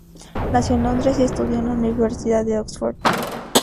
Nació en Londres y estudió en la Universidad de Oxford.